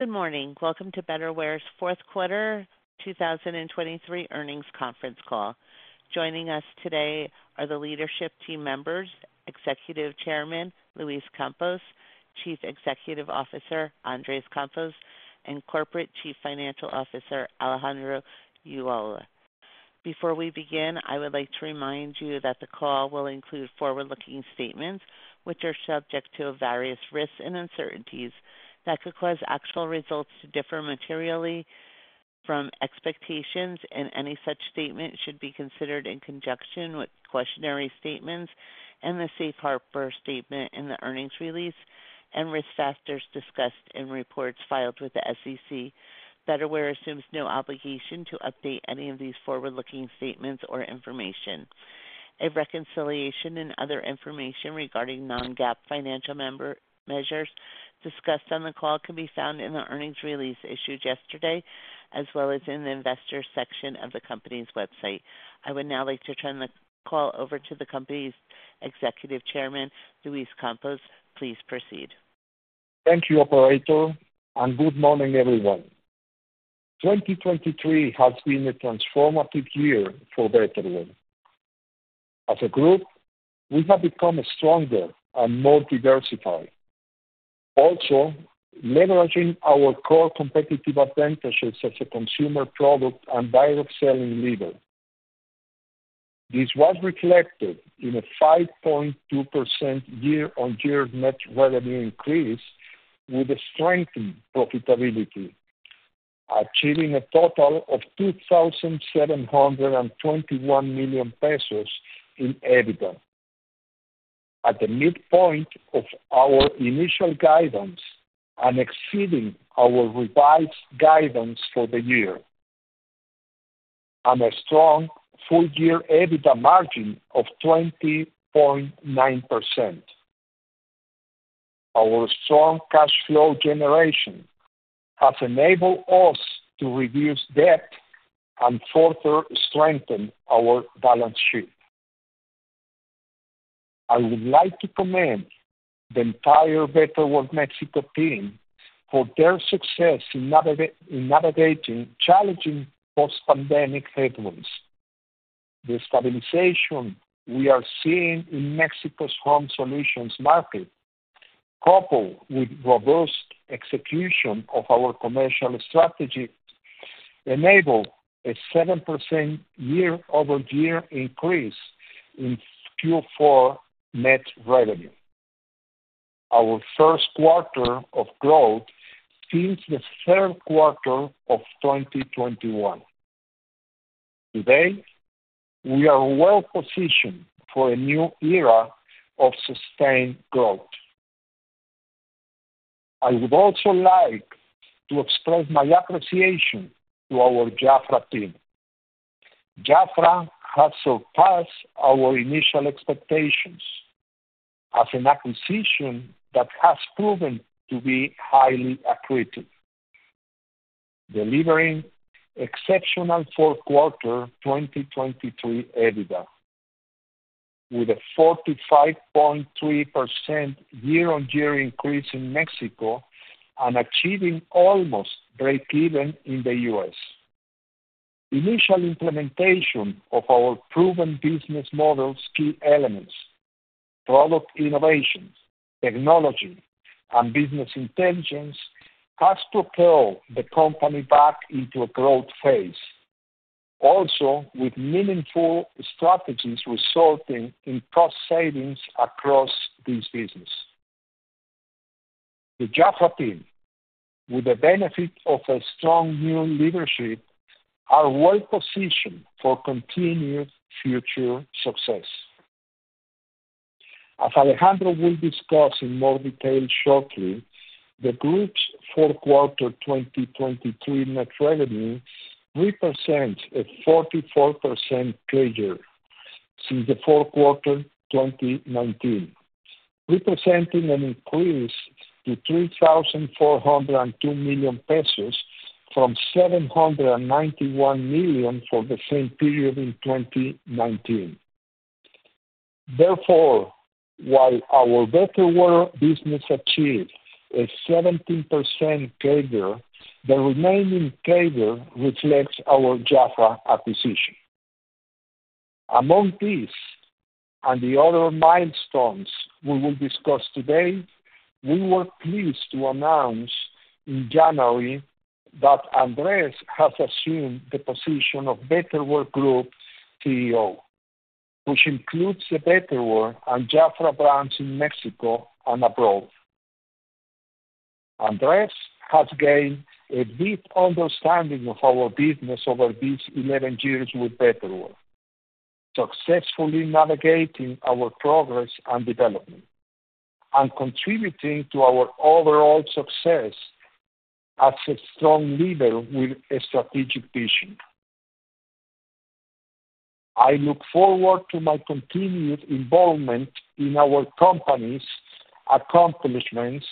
Good morning. Welcome to Betterware's Q4 2023 earnings conference call. Joining us today are the leadership team members, Executive Chairman, Luis G. Campos, Chief Executive Officer, Andrés Campos, and Corporate Chief Financial Officer, Alejandro Ulloa. Before we begin, I would like to remind you that the call will include forward-looking statements, which are subject to various risks and uncertainties that could cause actual results to differ materially from expectations, and any such statement should be considered in conjunction with cautionary statements and the safe harbor statement in the earnings release and risk factors discussed in reports filed with the SEC. Betterware assumes no obligation to update any of these forward-looking statements or information. A reconciliation and other information regarding non-GAAP financial measures discussed on the call can be found in the earnings release issued yesterday, as well as in the investor section of the company's website. I would now like to turn the call over to the company's Executive Chairman, Luis G. Campos. Please proceed. Thank you, operator, and good morning, everyone. 2023 has been a transformative year for Betterware. As a group, we have become stronger and more diversified. Also, leveraging our core competitive advantages as a consumer product and direct selling leader. This was reflected in a 5.2% year-on-year net revenue increase with a strengthened profitability, achieving a total of 2,721 million pesos in EBITDA. At the midpoint of our initial guidance and exceeding our revised guidance for the year, and a strong full-year EBITDA margin of 20.9%. Our strong cash flow generation has enabled us to reduce debt and further strengthen our balance sheet. I would like to commend the entire Betterware Mexico team for their success in navigating challenging post-pandemic headwinds. The stabilization we are seeing in Mexico's home solutions market, coupled with robust execution of our commercial strategy, enabled a 7% year-over-year increase in Q4 net revenue. Our Q1 of growth since the Q3 of 2021. Today, we are well positioned for a new era of sustained growth. I would also like to express my appreciation to our Jafra team. Jafra has surpassed our initial expectations as an acquisition that has proven to be highly accretive, delivering exceptional Q4 2023 EBITDA, with a 45.3% year-over-year increase in Mexico and achieving almost breakeven in the U.S. Initial implementation of our proven business model's key elements, product innovations, technology, and business intelligence, has propelled the company back into a growth phase, also with meaningful strategies resulting in cost savings across this business. The Jafra team, with the benefit of a strong new leadership, are well-positioned for continued future success. As Alejandro will discuss in more detail shortly, the group's Q4 2023 net revenue represents a 44% CAGR since the Q4 2019, representing an increase to 3,402 million pesos from 791 million for the same period in 2019. Therefore, while our Betterware business achieved a 17% CAGR, the remaining CAGR reflects our Jafra acquisition. Among these and the other milestones we will discuss today, we were pleased to announce in January that Andrés has assumed the position of Betterware Group CEO, which includes the Betterware and Jafra brands in Mexico and abroad. Andrés has gained a deep understanding of our business over these 11 years with Betterware, successfully navigating our progress and development and contributing to our overall success as a strong leader with a strategic vision. I look forward to my continued involvement in our company's accomplishments,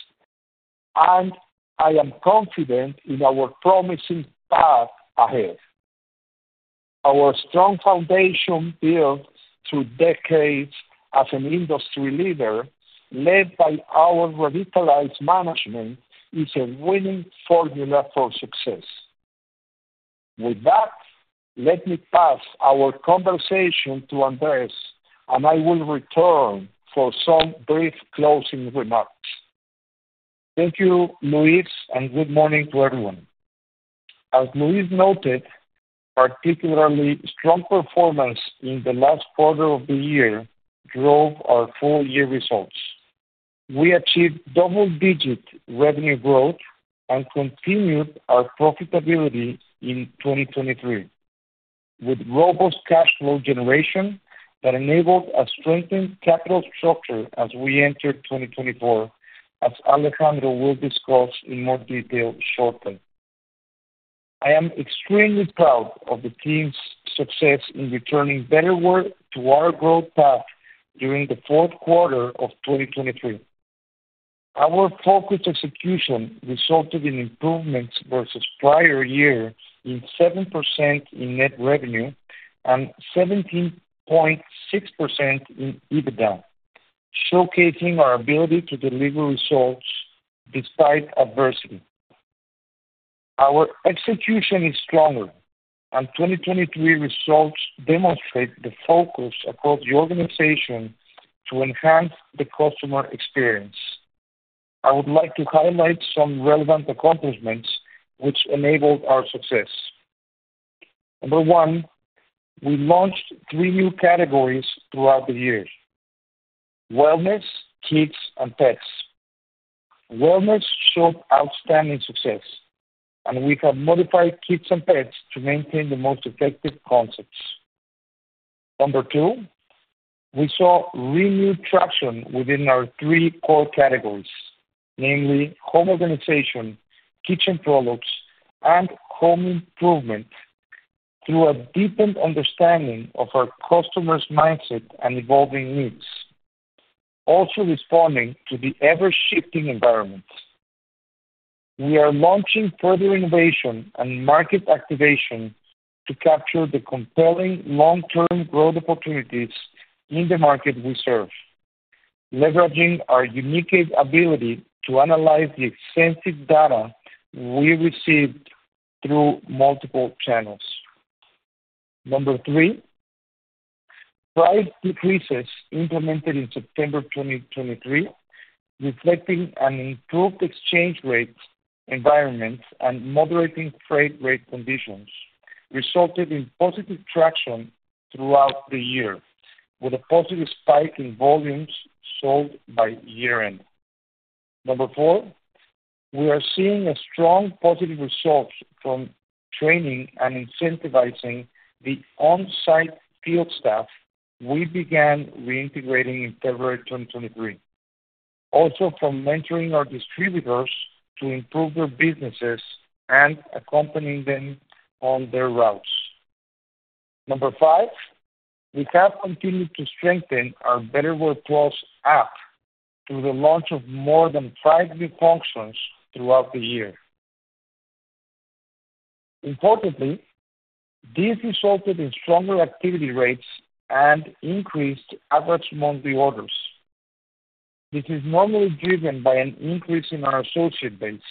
and I am confident in our promising path ahead. Our strong foundation built through decades as an industry leader, led by our revitalized management, is a winning formula for success. With that, let me pass our conversation to Andrés, and I will return for some brief closing remarks. Thank you, Luis, and good morning to everyone. As Luis noted, particularly strong performance in the last quarter of the year drove our full year results. We achieved double-digit revenue growth and continued our profitability in 2023, with robust cash flow generation that enabled a strengthened capital structure as we entered 2024, as Alejandro will discuss in more detail shortly. I am extremely proud of the team's success in returning Betterware to our growth path during the Q4 of 2023. Our focused execution resulted in improvements versus prior year in 7% in net revenue and 17.6% in EBITDA, showcasing our ability to deliver results despite adversity. Our execution is stronger, and 2023 results demonstrate the focus across the organization to enhance the customer experience. I would like to highlight some relevant accomplishments which enabled our success. Number 1, we launched 3 new categories throughout the year: wellness, kids, and pets. Wellness showed outstanding success, and we have modified kids and pets to maintain the most effective concepts. Number 2, we saw renewed traction within our three core categories, namely home organization, kitchen products, and home improvement, through a deepened understanding of our customers' mindset and evolving needs, also responding to the ever-shifting environment. We are launching further innovation and market activation to capture the compelling long-term growth opportunities in the market we serve, leveraging our unique ability to analyze the extensive data we received through multiple channels. Number 3, price decreases implemented in September 2023, reflecting an improved exchange rate environment and moderating freight rate conditions, resulted in positive traction throughout the year, with a positive spike in volumes sold by year-end. Number 4, we are seeing a strong positive results from training and incentivizing the on-site field staff we began reintegrating in February 2023. Also, from mentoring our distributors to improve their businesses and accompanying them on their routes. Number five, we have continued to strengthen our Betterware+ app through the launch of more than 5 new functions throughout the year. Importantly, this resulted in stronger activity rates and increased average monthly orders. This is normally driven by an increase in our associate base.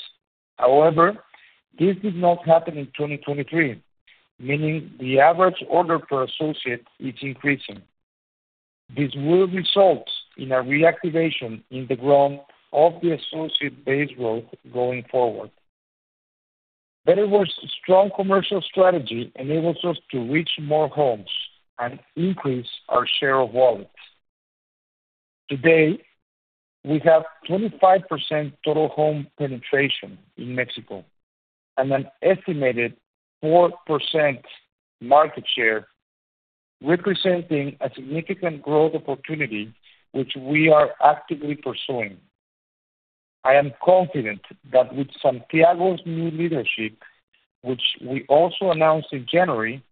However, this did not happen in 2023, meaning the average order per associate is increasing. This will result in a reactivation in the growth of the associate base growth going forward. Betterware's strong commercial strategy enables us to reach more homes and increase our share of wallet. Today, we have 25% total home penetration in Mexico and an estimated 4% market share, representing a significant growth opportunity, which we are actively pursuing. I am confident that with Santiago's new leadership, which we also announced in January,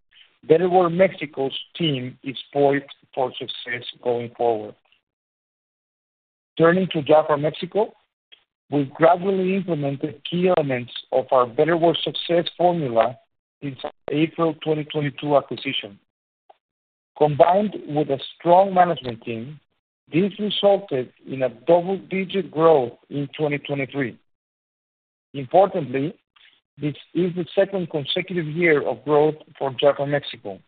Betterware Mexico's team is poised for success going forward. Turning to Jafra Mexico, we gradually implemented key elements of our Betterware success formula since April 2022 acquisition. Combined with a strong management team, this resulted in a double-digit growth in 2023. Importantly, this is the second consecutive year of growth for Jafra Mexico,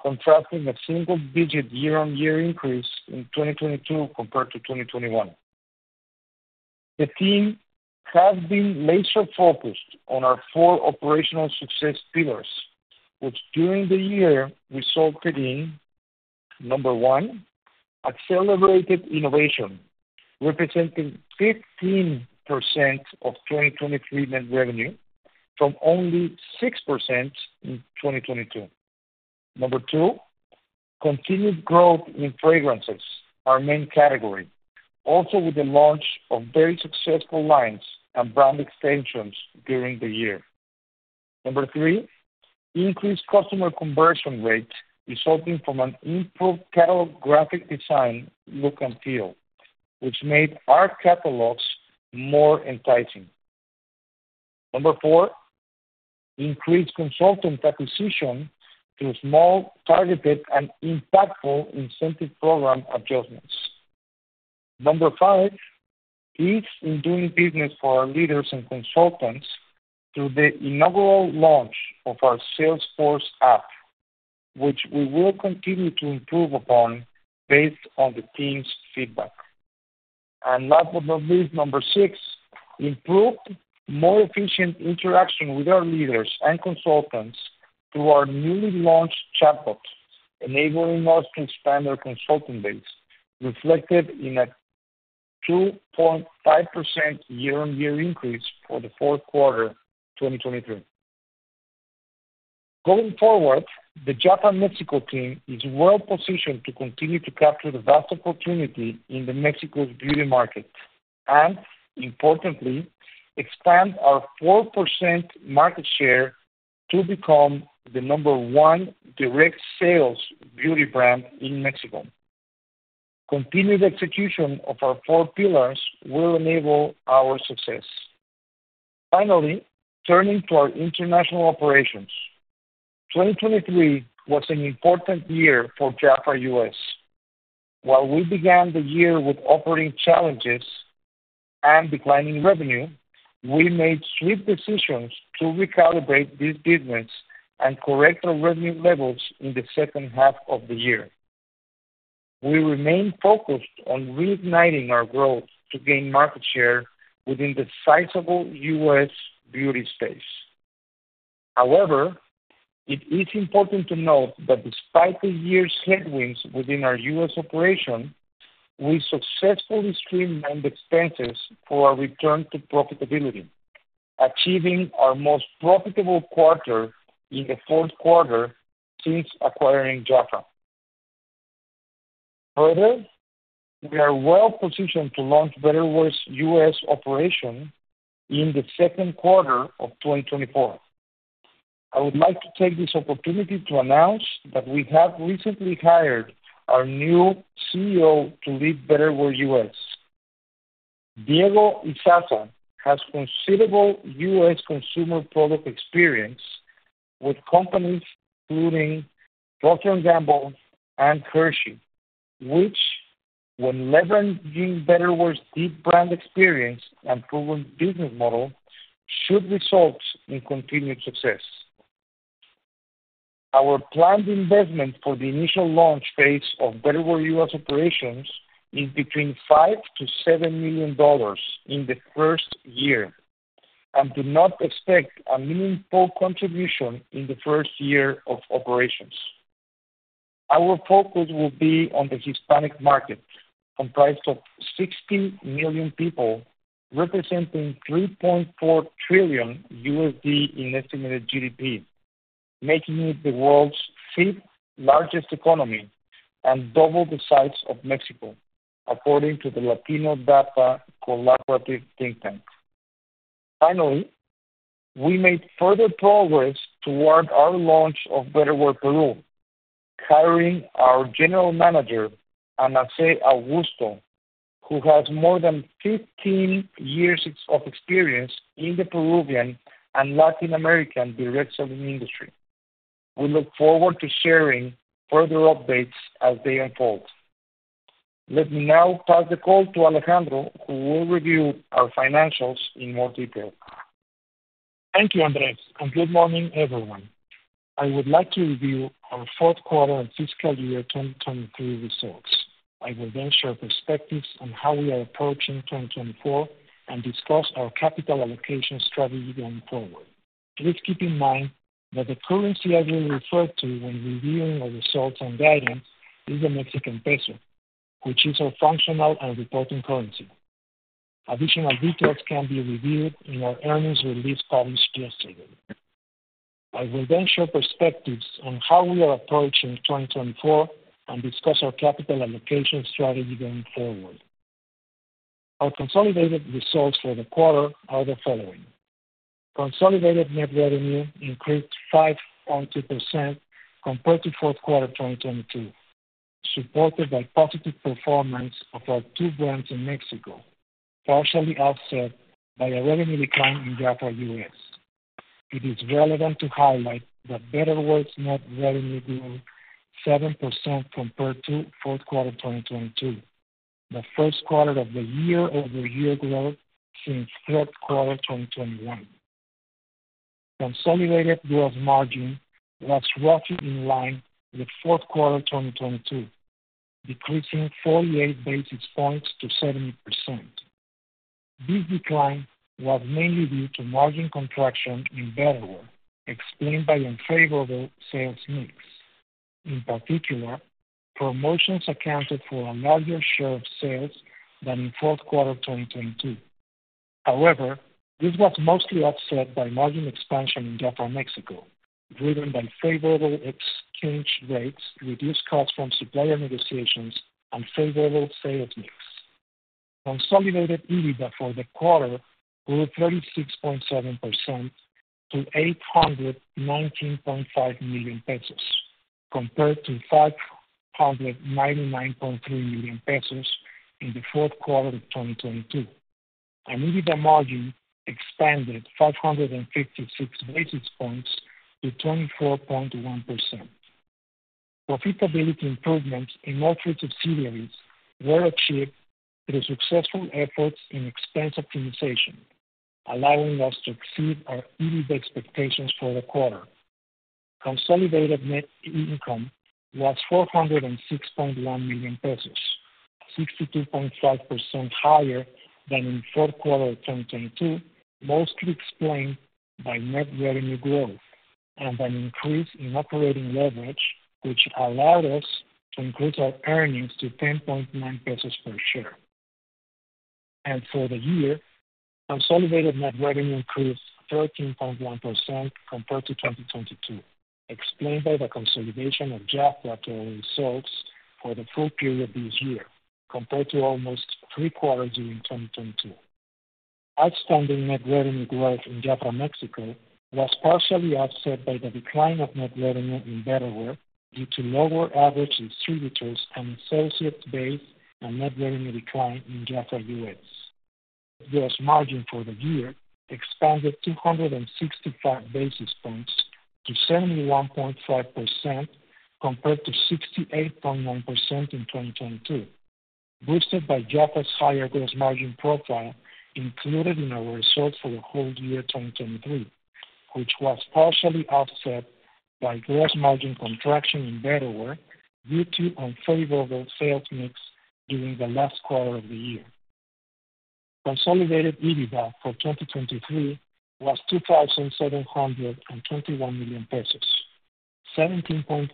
contrasting a single-digit year-on-year increase in 2022 compared to 2021. The team has been laser-focused on our four operational success pillars, which during the year resulted in, number one, accelerated innovation, representing 15% of 2023 net revenue from only 6% in 2022. Number two, continued growth in fragrances, our main category, also with the launch of very successful lines and brand extensions during the year. Number 3, increased customer conversion rate resulting from an improved catalog graphic design look and feel, which made our catalogs more enticing. Number 4, increased consultant acquisition through small, targeted, and impactful incentive program adjustments. Number 5, ease in doing business for our leaders and consultants through the inaugural launch of our Salesforce app, which we will continue to improve upon based on the team's feedback. And last but not least, number 6, improved more efficient interaction with our leaders and consultants through our newly launched chatbot, enabling us to expand our consultant base, reflected in a 2.5% year-on-year increase for the Q4, 2023. Going forward, the Jafra Mexico team is well positioned to continue to capture the vast opportunity in Mexico's beauty market, and importantly, expand our 4% market share to become the number 1 direct sales beauty brand in Mexico. Continued execution of our four pillars will enable our success. Finally, turning to our international operations. 2023 was an important year for Jafra U.S. While we began the year with operating challenges and declining revenue, we made swift decisions to recalibrate this business and correct our revenue levels in the second half of the year. We remain focused on reigniting our growth to gain market share within the sizable U.S. beauty space. However, it is important to note that despite the year's headwinds within our U.S. operation, we successfully streamlined expenses for our return to profitability, achieving our most profitable quarter in the Q4 since acquiring Jafra. Further, we are well positioned to launch Betterware's U.S. operation in the Q2 of 2024. I would like to take this opportunity to announce that we have recently hired our new CEO to lead Betterware U.S. Diego Isaza has considerable U.S. consumer product experience with companies including Procter & Gamble and Hershey, which when leveraging Betterware's deep brand experience and proven business model, should result in continued success. Our planned investment for the initial launch phase of Betterware U.S. operations is between $5-$7 million in the first year, and do not expect a meaningful contribution in the first year of operations. Our focus will be on the Hispanic market, comprised of 60 million people, representing $3.4 trillion in estimated GDP, making it the world's fifth largest economy and double the size of Mexico, according to the Latino Donor Collaborative think tank. Finally, we made further progress toward our launch of Betterware Peru, hiring our general manager, Ana Cecilia Augusto, who has more than 15 years of experience in the Peruvian and Latin American direct selling industry. We look forward to sharing further updates as they unfold. Let me now pass the call to Alejandro, who will review our financials in more detail. Thank you, Andrés, and good morning, everyone. I would like to review our Q4 and fiscal year 2023 results. I will then share perspectives on how we are approaching 2024, and discuss our capital allocation strategy going forward. Please keep in mind that the currency I will refer to when reviewing our results and guidance is the Mexican peso, which is our functional and reporting currency. Additional details can be reviewed in our earnings release published yesterday. I will then share perspectives on how we are approaching 2024, and discuss our capital allocation strategy going forward. Our consolidated results for the quarter are the following: Consolidated net revenue increased 5.2% compared to Q4 2022, supported by positive performance of our two brands in Mexico, partially offset by a revenue decline in Jafra U.S. It is relevant to highlight that Betterware's net revenue grew 7% compared to Q4 2022, the Q1 of the year-over-year growth since Q3 2021. Consolidated gross margin was roughly in line with Q4 2022, decreasing 48 basis points to 70%. This decline was mainly due to margin contraction in Betterware, explained by unfavorable sales mix. In particular, promotions accounted for a larger share of sales than in Q4 2022. However, this was mostly offset by margin expansion in Jafra Mexico, driven by favorable exchange rates, reduced costs from supplier negotiations, and favorable sales mix. Consolidated EBITDA for the quarter grew 36.7% to 819.5 million pesos compared to 599.3 million pesos in the Q4 of 2022. EBITDA margin expanded 556 basis points to 24.1%. Profitability improvements in all three subsidiaries were achieved through successful efforts in expense optimization, allowing us to exceed our EBITDA expectations for the quarter. Consolidated net income was 406.1 million pesos, 62.5% higher than in Q4 of 2022, mostly explained by net revenue growth and an increase in operating leverage, which allowed us to increase our earnings to 10.9 pesos per share. For the year, consolidated net revenue increased 13.1% compared to 2022, explained by the consolidation of Jafra quarterly results for the full period this year, compared to almost three quarters during 2022. Outstanding net revenue growth in Jafra Mexico was partially offset by the decline of net revenue in Betterware, due to lower average distributors and associate base and net revenue decline inJafra U.S. Gross margin for the year expanded 265 basis points to 71.5%, compared to 68.1% in 2022, boosted by Jafra's higher gross margin profile included in our results for the whole year, 2023, which was partially offset by gross margin contraction in Betterware due to unfavorable sales mix during the last quarter of the year. Consolidated EBITDA for 2023 was 2,721 million pesos, 17.5%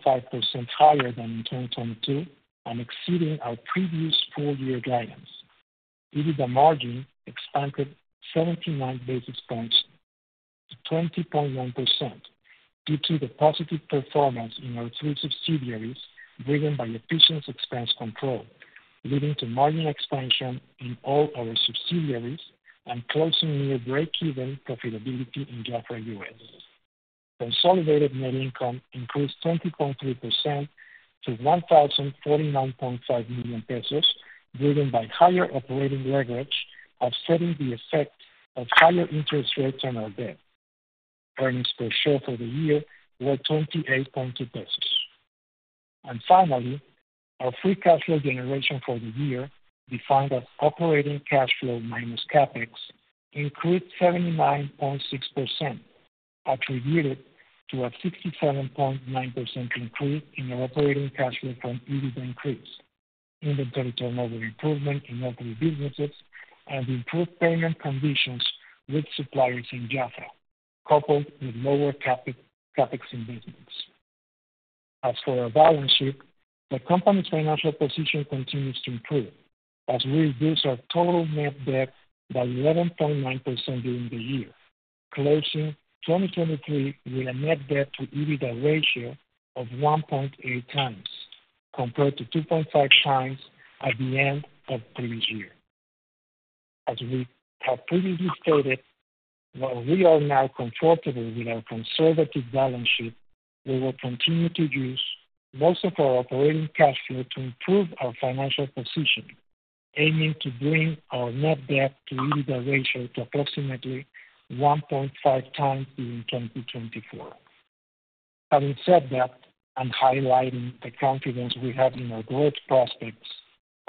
higher than in 2022 and exceeding our previous full year guidance. EBITDA margin expanded 79 basis points to 20.1%, due to the positive performance in our three subsidiaries, driven by efficient expense control, leading to margin expansion in all our subsidiaries and closing near breakeven profitability in Jafra U.S. Consolidated net income increased 20.3% to 1,049.5 million pesos, driven by higher operating leverage, offsetting the effect of higher interest rates on our debt. Earnings per share for the year were 28.2 pesos. And finally, our free cash flow generation for the year, defined as operating cash flow minus CapEx, increased 79.6%, attributed to a 67.9% increase in our operating cash flow from EBITDA increase, inventory turnover improvement in all three businesses, and improved payment conditions with suppliers in Jafra, coupled with lower CapEx investments. As for our balance sheet, the company's financial position continues to improve as we reduce our total net debt by 11.9% during the year, closing 2023 with a net debt to EBITDA ratio of 1.8 times, compared to 2.5 times at the end of the previous year. As we have previously stated, while we are now comfortable with our conservative balance sheet, we will continue to use most of our operating cash flow to improve our financial position, aiming to bring our net debt to EBITDA ratio to approximately 1.5 times in 2024. Having said that, and highlighting the confidence we have in our growth prospects,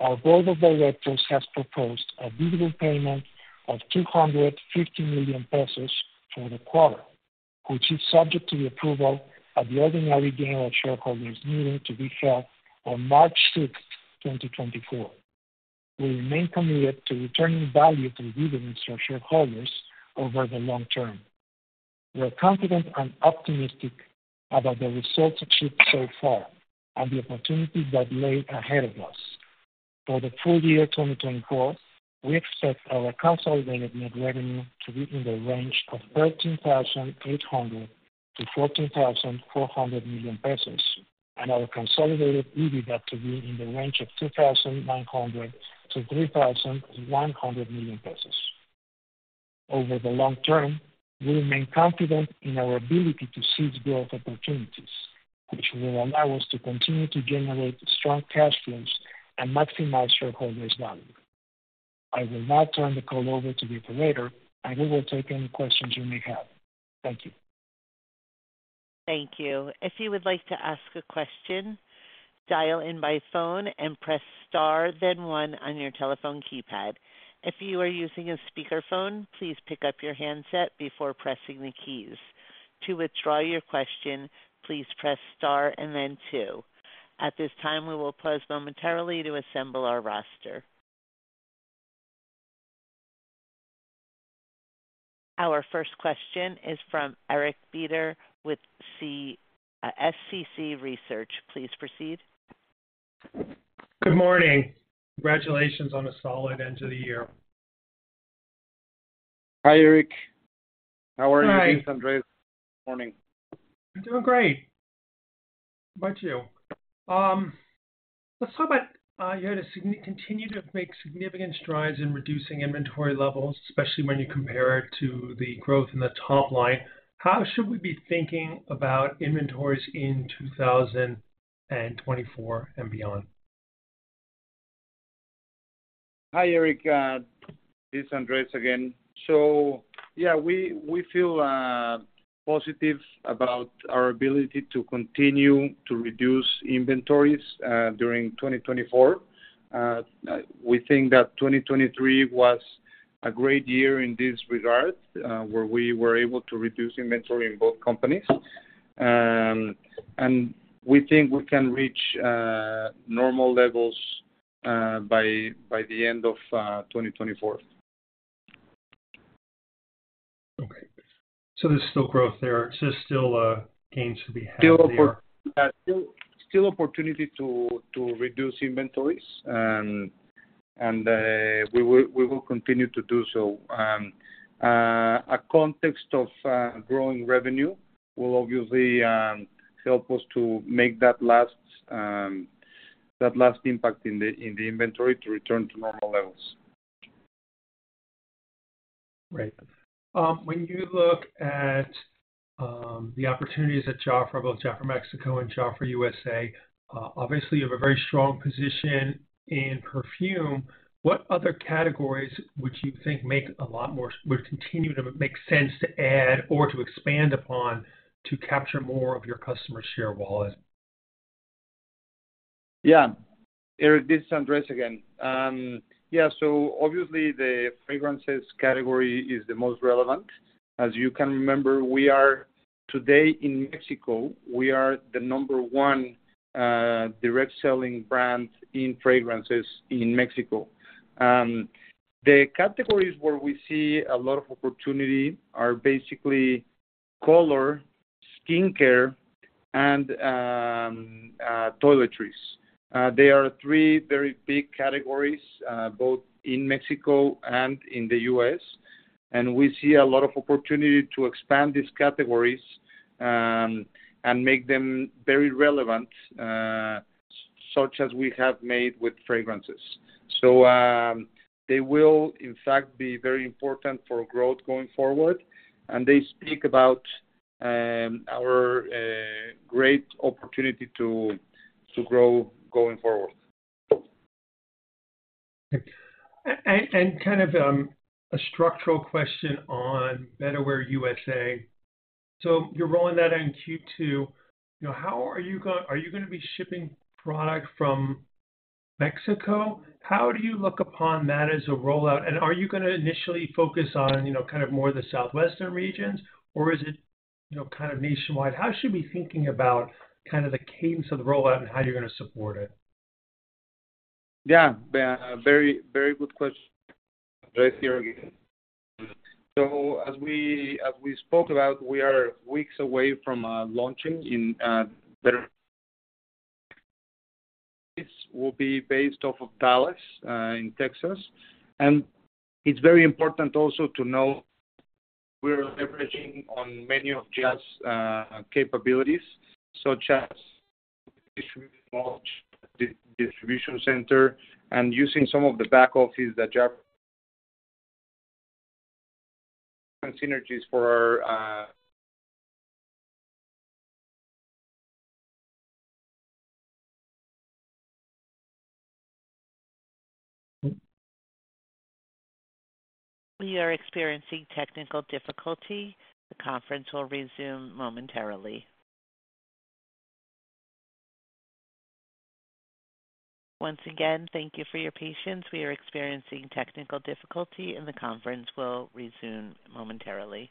our board of directors has proposed a dividend payment of 250 million pesos for the quarter, which is subject to the approval at the ordinary general shareholders meeting to be held on March 6, 2024. We remain committed to returning value to dividends to our shareholders over the long term. We are confident and optimistic about the results achieved so far and the opportunities that lay ahead of us. For the full year 2024, we expect our consolidated net revenue to be in the range of 13,800 million-14,400 million pesos, and our consolidated EBITDA to be in the range of 2,900 million-3,100 million pesos. Over the long term, we remain confident in our ability to seize growth opportunities, which will allow us to continue to generate strong cash flows and maximize shareholders' value. I will now turn the call over to the operator, and we will take any questions you may have. Thank you. Thank you. If you would like to ask a question, dial in by phone and press star, then 1 on your telephone keypad. If you are using a speakerphone, please pick up your handset before pressing the keys. To withdraw your question, please press star and then 2. At this time, we will pause momentarily to assemble our roster. Our first question is from Eric Beder with SCC Research. Please proceed. Good morning. Congratulations on a solid end to the year. Hi, Eric. How are you this morning? I'm doing great. How about you? Let's talk about you continue to make significant strides in reducing inventory levels, especially when you compare it to the growth in the top line. How should we be thinking about inventories in 2024 and beyond? Hi, Eric. This is Andrés again. So, yeah, we feel positive about our ability to continue to reduce inventories during 2024. We think that 2023 was a great year in this regard, where we were able to reduce inventory in both companies. And we think we can reach normal levels by the end of 2024. Okay, so there's still growth there. So still, gains to be had there. Still opportunity to reduce inventories, and we will continue to do so. A context of growing revenue will obviously help us to make that last impact in the inventory to return to normal levels. Right. When you look at the opportunities at Jafra, both Jafra Mexico and Jafra U.S., obviously you have a very strong position in perfume. What other categories would you think make a lot more would continue to make sense to add or to expand upon to capture more of your customer share wallet? Yeah. Eric, this is Andrés again. So obviously the fragrances category is the most relevant. As you can remember, we are today in Mexico, we are the number one direct selling brand in fragrances in Mexico. The categories where we see a lot of opportunity are basically color, skincare, and toiletries. They are three very big categories both in Mexico and in the U.S., and we see a lot of opportunity to expand these categories and make them very relevant such as we have made with fragrances. So they will in fact be very important for growth going forward, and they speak about our great opportunity to grow going forward. And kind of a structural question on Betterware U.S. So you're rolling that out in Q2. You know, how are you gonna be shipping product from Mexico? How do you look upon that as a rollout? And are you gonna initially focus on, you know, kind of more the southwestern regions, or is it, you know, kind of nationwide? How should we be thinking about kind of the cadence of the rollout and how you're gonna support it? Yeah, yeah, very, very good question. Andrés here again. So as we, as we spoke about, we are weeks away from launching in Betterware. This will be based off of Dallas in Texas. And it's very important also to know we're leveraging on many of Jafra's capabilities, such as distribution launch, distribution center, and using some of the back offices that Jafra... synergies for our... We are experiencing technical difficulty. The conference will resume momentarily. Once again, thank you for your patience. We are experiencing technical difficulty, and the conference will resume momentarily.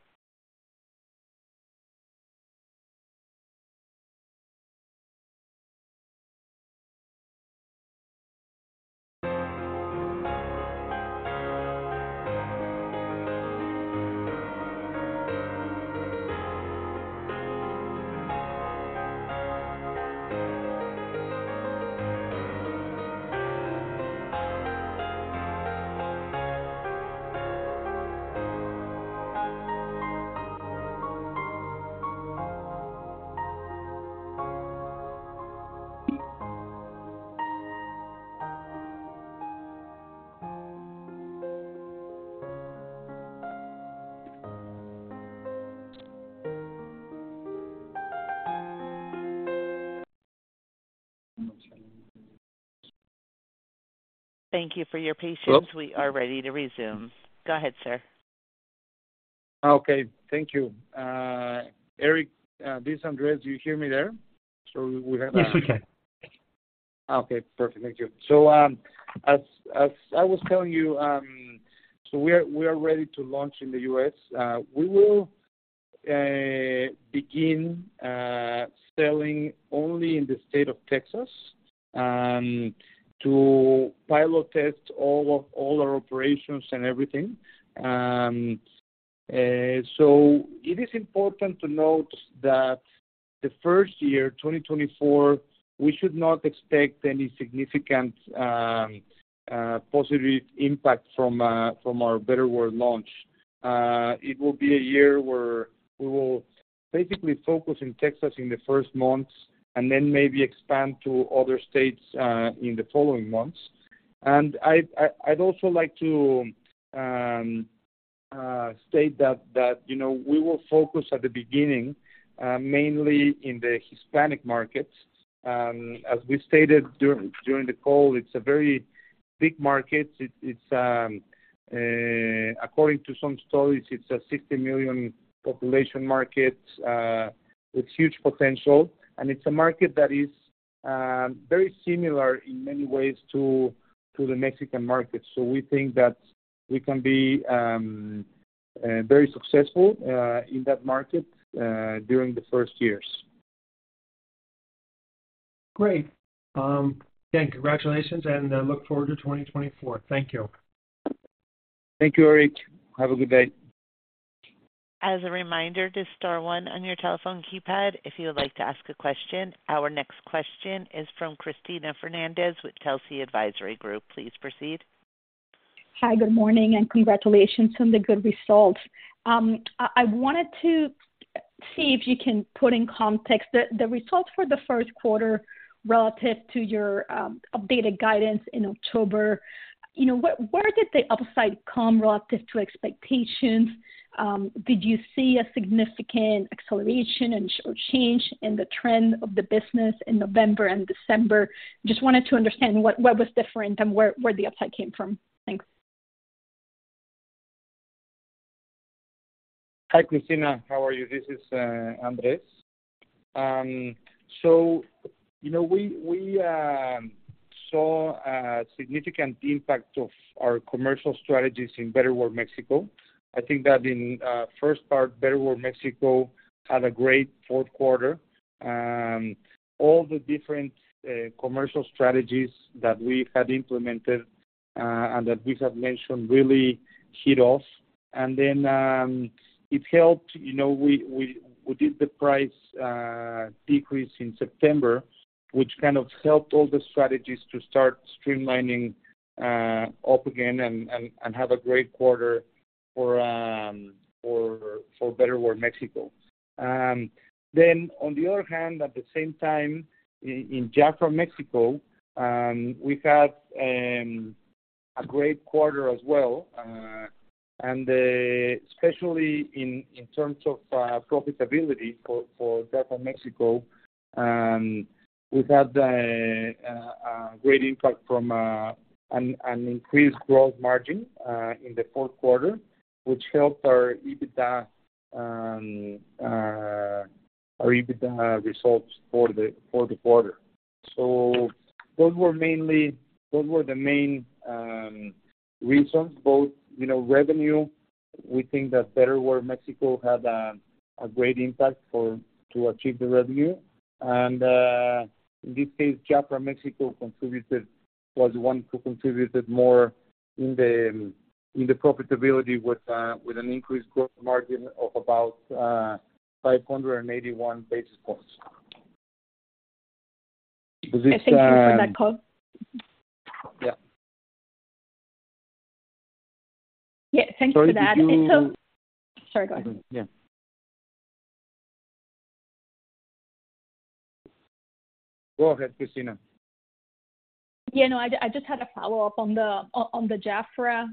Thank you for your patience. Hello. We are ready to resume. Go ahead, sir. Okay, thank you. Eric, this is Andrés. Do you hear me there? So we have- Yes, we can. Okay, perfect. Thank you. So, as I was telling you, so we are ready to launch in the U.S. We will begin selling only in the state of Texas to pilot test all of our operations and everything. So it is important to note that the first year, 2024, we should not expect any significant positive impact from our Betterware launch. It will be a year where we will basically focus in Texas in the first months, and then maybe expand to other states in the following months. And I'd also like to state that, you know, we will focus at the beginning mainly in the Hispanic markets. As we stated during the call, it's a very big market. It's according to some studies, it's a 60 million population market with huge potential, and it's a market that is very similar in many ways to the Mexican market. So we think that we can be very successful in that market during the first years. Great! Then congratulations, and look forward to 2024. Thank you. Thank you, Eric. Have a good day. As a reminder to star one on your telephone keypad if you would like to ask a question. Our next question is from Cristina Fernández with Telsey Advisory Group. Please proceed. Hi, good morning, and congratulations on the good results. I wanted to see if you can put in context the results for the Q1 relative to your updated guidance in October. You know, where did the upside come relative to expectations? Did you see a significant acceleration and or change in the trend of the business in November and December? Just wanted to understand what was different and where the upside came from. Thanks. Hi, Cristina, how are you? This is Andrés. So, you know, we saw a significant impact of our commercial strategies in Betterware Mexico. I think that in first part, Betterware Mexico had a great Q4. All the different commercial strategies that we had implemented and that we have mentioned really hit off. And then, it helped, you know, we did the price decrease in September, which kind of helped all the strategies to start streamlining up again and have a great quarter for Betterware Mexico. Then on the other hand, at the same time, in Jafra Mexico, we had a great quarter as well, and especially in terms of profitability for Jafra Mexico, we had a great impact from an increased growth margin in the Q4, which helped our EBITDA, our EBITDA results for the quarter. So those were mainly... Those were the main reasons, both, you know, revenue. We think that Betterware Mexico had a great impact for to achieve the revenue, and in this case, Jafra Mexico contributed, was the one who contributed more in the profitability with an increased growth margin of about 581 basis points. Was this, Thank you for that, call. Yeah. Yeah, thank you for that. Sorry, did you- And so... Sorry, go ahead. Yeah. Go ahead, Cristina. Yeah, no, I just had a follow-up on the Jafra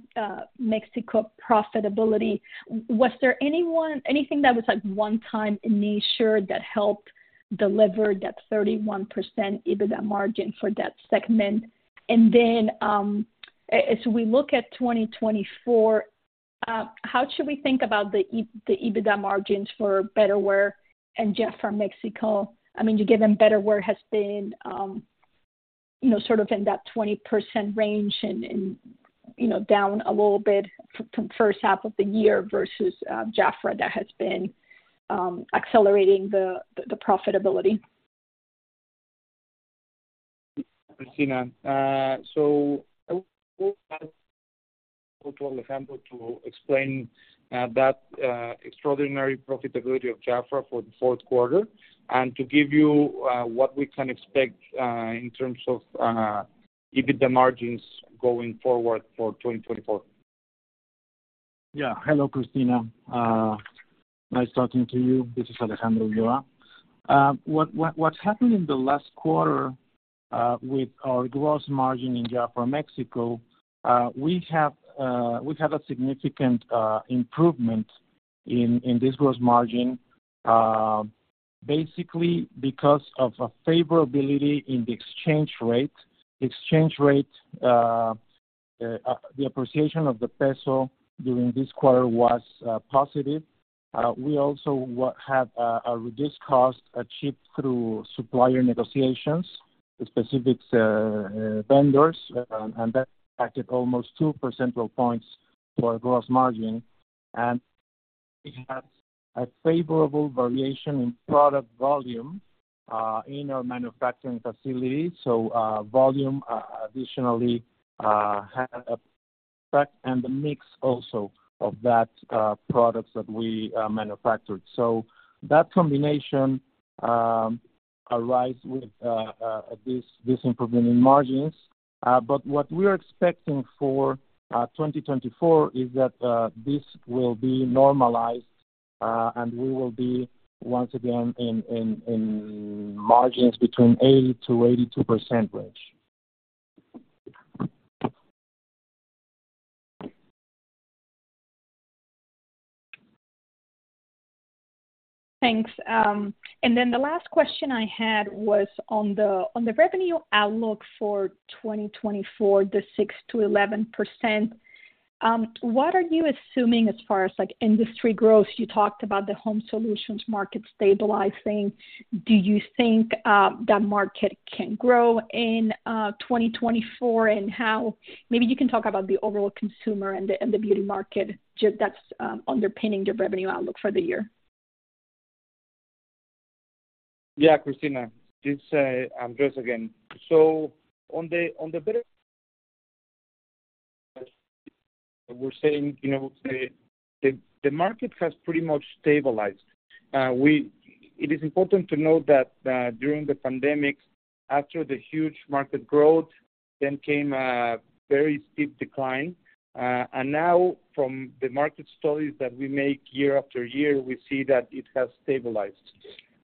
Mexico profitability. Was there anything that was, like, one time in nature that helped deliver that 31% EBITDA margin for that segment? And then, as we look at 2024, how should we think about the EBITDA margins for Betterware and Jafra Mexico? I mean, given Betterware has been, you know, sort of in that 20% range and, you know, down a little bit from first half of the year versus Jafra, that has been accelerating the profitability. Cristina, so I will go to Alejandro to explain that extraordinary profitability of Jafra for the Q4 and to give you what we can expect in terms of EBITDA margins going forward for 2024. Yeah. Hello, Cristina. Nice talking to you. This is Alejandro Ulloa. What happened in the last quarter with our gross margin in Jafra Mexico? We had a significant improvement in this gross margin, basically because of a favorability in the exchange rate. The exchange rate, the appreciation of the peso during this quarter was positive. We also had a reduced cost achieved through supplier negotiations with specific vendors, and that impacted almost two percentage points for our gross margin. And we had a favorable variation in product volume in our manufacturing facilities. So, volume additionally had an effect, and the mix also of those products that we manufactured. So that combination, a rise with this improvement in margins. But what we are expecting for 2024 is that this will be normalized, and we will be once again in margins between 80%-82% range. Thanks. And then the last question I had was on the revenue outlook for 2024, the 6%-11%. What are you assuming as far as, like, industry growth? You talked about the home solutions market stabilizing. Do you think that market can grow in 2024, and how? Maybe you can talk about the overall consumer and the beauty market, just that's underpinning your revenue outlook for the year. Yeah, Cristina, it's Andrés again. So on the Betterware, we're saying, you know, the market has pretty much stabilized. It is important to note that during the pandemic, after the huge market growth, then came a very steep decline. And now from the market studies that we make year after year, we see that it has stabilized.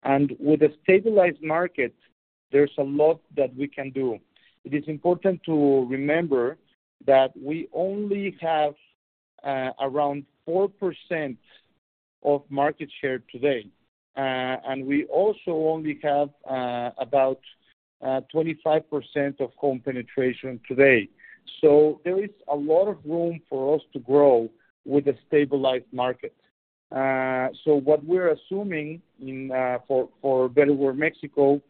And with a stabilized market, there's a lot that we can do. It is important to remember that we only have around 4% of market share today, and we also only have about 25% of home penetration today. So there is a lot of room for us to grow with a stabilized market. So what we're assuming for Betterware Mexico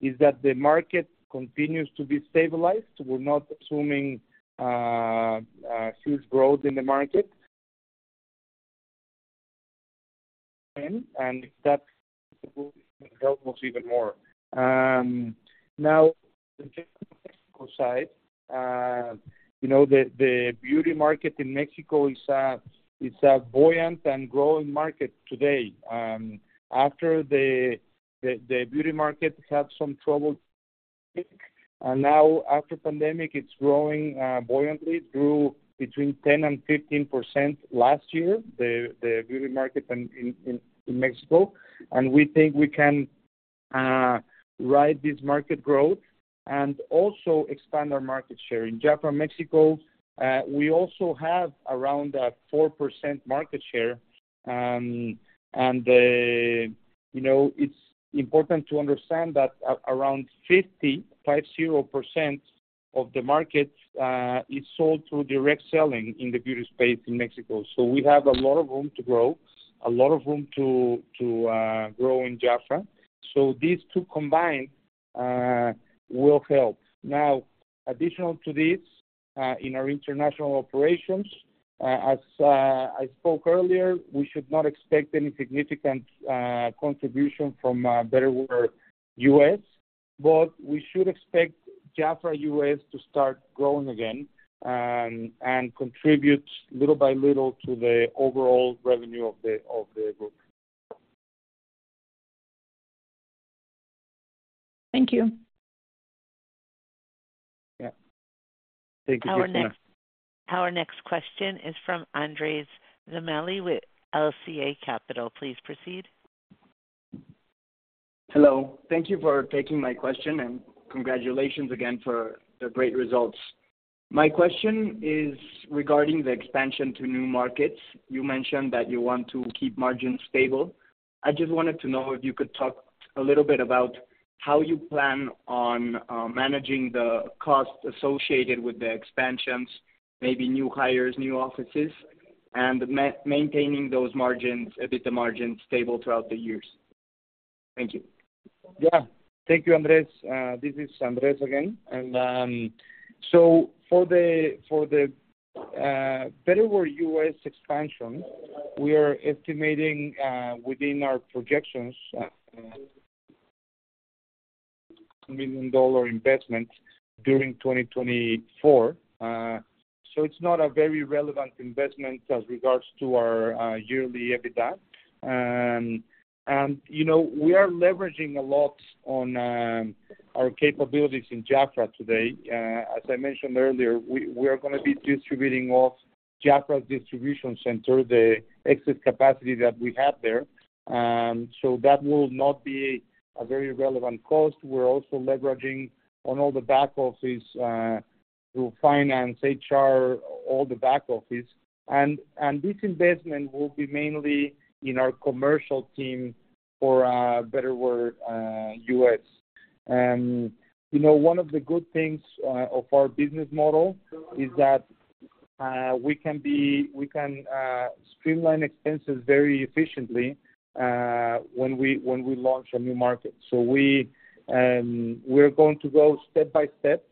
is that the market continues to be stabilized. We're not assuming huge growth in the market. And that will help us even more. Now, the general Mexico side, you know, the beauty market in Mexico is a buoyant and growing market today. After the beauty market had some trouble, and now after pandemic, it's growing buoyantly. It grew between 10% and 15% last year, the beauty market in Mexico, and we think we can ride this market growth and also expand our market share. In Jafra Mexico, we also have around a 4% market share. And you know, it's important to understand that around 55% of the market is sold through direct selling in the beauty space in Mexico. So we have a lot of room to grow, a lot of room to grow in Jafra. So these two combined will help. Now, additional to this, in our international operations, as I spoke earlier, we should not expect any significant contribution from Betterware U.S., but we should expect Jafra U.S. to start growing again, and contribute little by little to the overall revenue of the group. Thank you. Yeah. Thank you, Cristina. Our next, our next question is from Andrés Lomeli with LCA Capital. Please proceed. Hello. Thank you for taking my question, and congratulations again for the great results. My question is regarding the expansion to new markets. You mentioned that you want to keep margins stable. I just wanted to know if you could talk a little bit about how you plan on managing the costs associated with the expansions, maybe new hires, new offices, and maintaining those margins, EBITDA margins, stable throughout the years. Thank you. Yeah. Thank you, Andrés. This is Andrés again. So for the Betterware U.S. expansion, we are estimating within our projections $1 million investment during 2024. So it's not a very relevant investment as regards to our yearly EBITDA. And, you know, we are leveraging a lot on our capabilities in Jafra today. As I mentioned earlier, we are gonna be distributing off Jafra's distribution center, the excess capacity that we have there. So that will not be a very relevant cost. We're also leveraging on all the back office through finance, HR, all the back office. And this investment will be mainly in our commercial team for Betterware U.S. You know, one of the good things of our business model is that we can streamline expenses very efficiently when we launch a new market. So we're going to go step by step,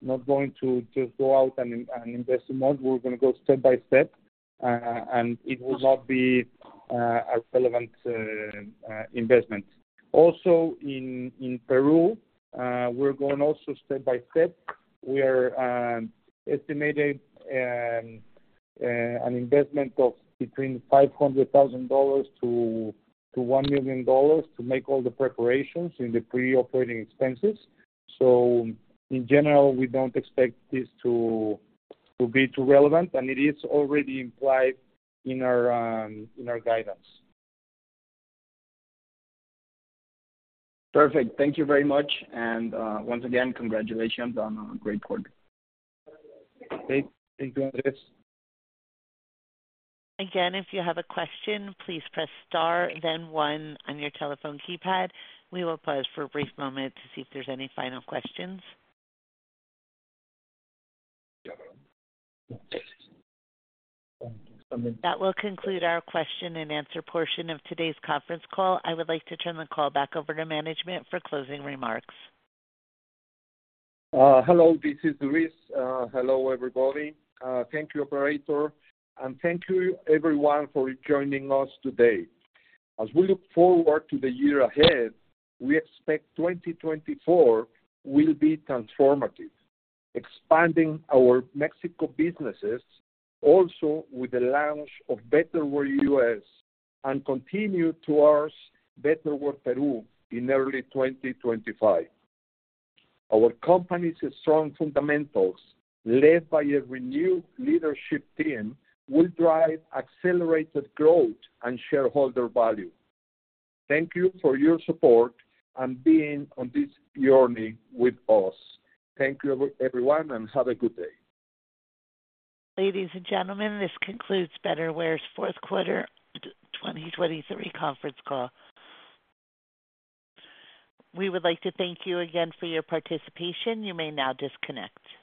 not going to just go out and invest more. We're gonna go step by step, and it will not be a relevant investment. Also, in Peru, we're going also step by step. We are estimating...... an investment of between $500,000-$1 million to make all the preparations in the pre-operating expenses. So in general, we don't expect this to be too relevant, and it is already implied in our guidance. Perfect. Thank you very much. Once again, congratulations on a great quarter. Thank you, Andrés. Again, if you have a question, please press star then 1 on your telephone keypad. We will pause for a brief moment to see if there's any final questions. That will conclude our question-and-answer portion of today's conference call. I would like to turn the call back over to management for closing remarks. Hello, this is Luis. Hello, everybody. Thank you, operator, and thank you everyone for joining us today. As we look forward to the year ahead, we expect 2024 will be transformative, expanding our Mexico businesses, also with the launch of Betterware U.S., and continue towards Betterware Peru in early 2025. Our company's strong fundamentals, led by a renewed leadership team, will drive accelerated growth and shareholder value. Thank you for your support and being on this journey with us. Thank you, everyone, and have a good day. Ladies and gentlemen, this concludes Betterware's Q4 2023 conference call. We would like to thank you again for your participation. You may now disconnect.